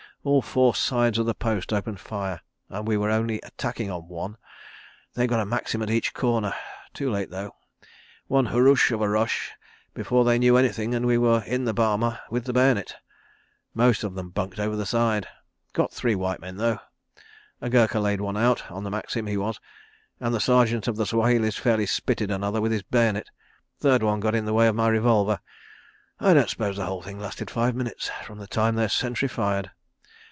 .. All four sides of the post opened fire, and we were only attacking on one. ... They'd got a Maxim at each corner. ... Too late, though. One hurroosh of a rush before they knew anything, and we were in the boma with the bayonet. Most of them bunked over the other side. ... Got three white men, though. A Gurkha laid one out—on the Maxim, he was—and the Sergeant of the Swahilis fairly spitted another with his bayonet. ... Third one got in the way of my revolver. .. I don't s'pose the whole thing lasted five minutes from the time their sentry fired.